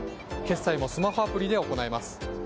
決済もスマホアプリで行います。